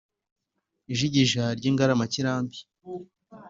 Ijigija ry'ingaramakirambi